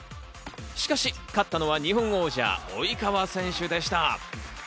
しかし勝ったのは日本王者・及川選手でした。